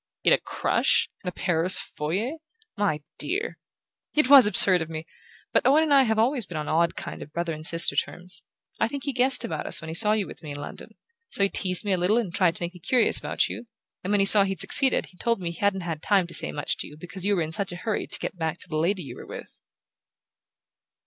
"In a crush in a Paris foyer? My dear!" "It was absurd of me! But Owen and I have always been on odd kind of brother and sister terms. I think he guessed about us when he saw you with me in London. So he teased me a little and tried to make me curious about you; and when he saw he'd succeeded he told me he hadn't had time to say much to you because you were in such a hurry to get back to the lady you were with."